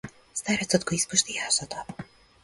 Старецот го испушти јажето.